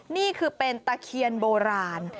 นี่คือเป็นตะเคียนโบราณ